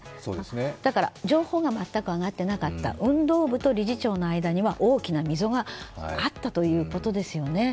だから、情報が全く上がっていなかった運動部と理事長の間には大きな溝があったということですよね。